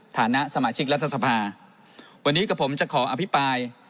ฐานะสมาชิกรัฐสภาวันนี้กับผมจะขออภิปราย